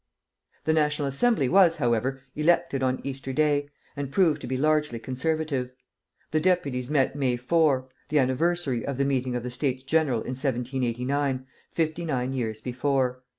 The National Assembly was, however, elected on Easter Day, and proved to be largely conservative. The deputies met May 4, the anniversary of the meeting of the States General in 1789, fifty nine years before.